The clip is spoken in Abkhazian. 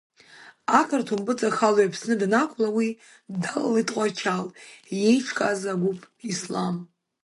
Ақырҭуа мпыҵахалаҩ Аԥсны данақәла, уи далалеит Тҟәарчал еиҿкааз агәыԥ Ислам.